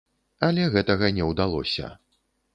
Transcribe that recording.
Але гэтага не ўдалося.